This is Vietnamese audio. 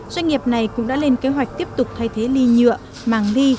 doanh nghiệp này cũng đã lên kế hoạch tiếp tục thay thế ly nhựa màng ly